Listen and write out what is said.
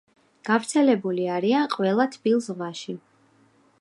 გავრცელებული არიან ყველა თბილ ზღვაში.